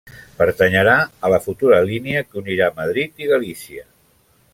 Pertanyerà a la futura línia que unirà Madrid i Galícia.